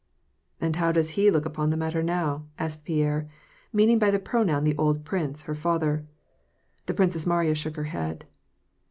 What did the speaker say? " And how does he look upon the matter, now ?" asked Pierre, meaning by the pronoun the old prince, her father. The Princess Mariya shook her head.